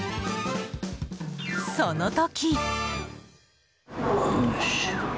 その時。